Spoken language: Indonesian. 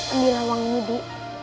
ambillah uang ini di